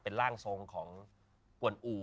เป็นร่างทรงของกวนอู่